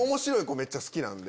めっちゃ好きなので。